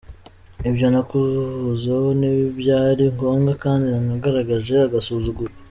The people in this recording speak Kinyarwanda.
Ibyo nakuvuzeho nti byari ngombwa kandi nagaragaje agasuzuguro.